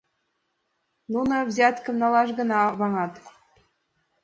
Нуно взяткым налаш гына ваҥат.